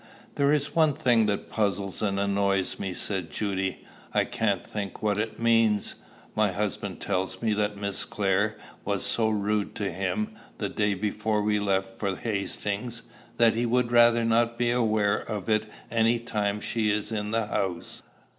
"There is one thing that puzzles and annoys me," said Judy. "I can't think what it means. My husband tells me that Miss Clare was so rude to him, the day before we left for Hastings, that he would rather not be aware of it any time she is in the house.